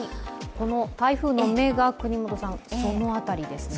台風の目がこの辺りですね？